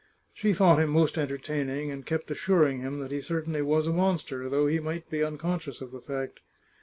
She thought him most entertaining, and kept assuring him that he certainly was a monster, though he might be unconscious of the fact.